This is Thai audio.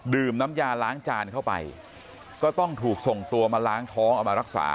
น้ำยาล้างจานเข้าไปก็ต้องถูกส่งตัวมาล้างท้องเอามารักษา